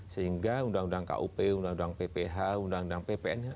sehingga undang undang kup undang undang pph undang undang ppn